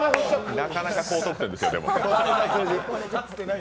なかなか高得点ですよ。